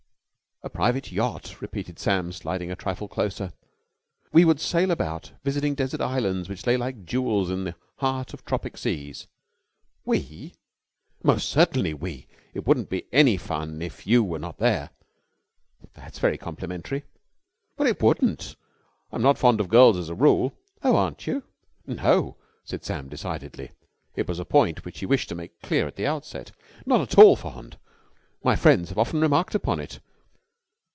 "A private yacht," repeated Sam sliding a trifle closer. "We would sail about, visiting desert islands which lay like jewels in the heart of tropic seas." "We?" "Most certainly we. It wouldn't be any fun if you were not there." "That's very complimentary." "Well, it wouldn't. I'm not fond of girls as a rule...." "Oh, aren't you?" "No!" said Sam decidedly. It was a point which he wished to make clear at the outset. "Not at all fond. My friends have often remarked upon it.